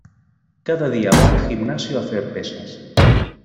Cada día va al gimnasio a hacer pesas.